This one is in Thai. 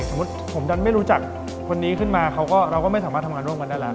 สมมุติผมดันไม่รู้จักคนนี้ขึ้นมาเขาก็เราก็ไม่สามารถทำงานร่วมกันได้แล้ว